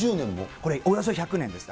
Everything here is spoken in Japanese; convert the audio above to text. これ、およそ１００年ですか。